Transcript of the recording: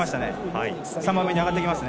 ３番目に上がってきますね。